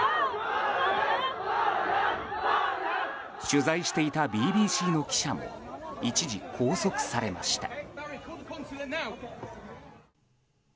取材していたＢＢＣの記者も一時拘束されました。